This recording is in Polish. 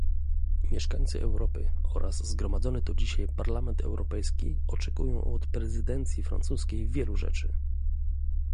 Mieszkańcy Europy oraz zgromadzony tu dzisiaj Parlament Europejski oczekują od prezydencji francuskiej wielu rzeczy